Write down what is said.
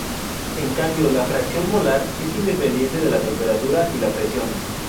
En cambio, la fracción molar es independiente de la temperatura y la presión.